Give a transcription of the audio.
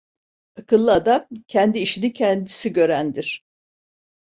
Akıllı adam kendi işini kendisi görendir.